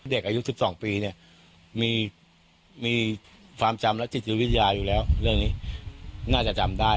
เด็กอายุ๑๒ปีเนี่ยมีความจำและจิตวิทยาอยู่แล้วเรื่องนี้น่าจะจำได้